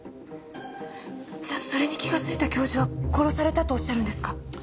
じゃそれに気がついた教授は殺されたとおっしゃるんですか？